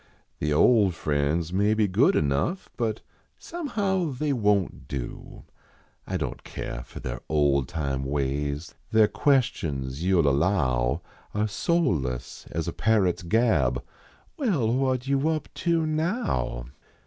The old friends may be good enough, But somehow they won t do. I don t care for their old time ways ; Their questions you ll allow Are soulless as a parrot s gab :" Well, what you up to now?